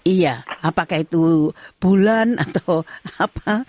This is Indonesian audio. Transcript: iya apakah itu bulan atau apa